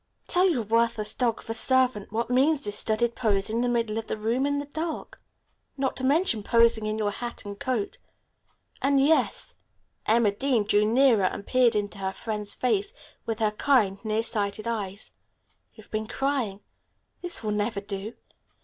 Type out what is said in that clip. Tell your worthless dog of a servant, what means this studied pose in the middle of the room in the dark? Not to mention posing in your hat and coat. And, yes," Emma drew nearer and peered into her friend's face with her kind, near sighted eyes, "you've been crying. This will never do.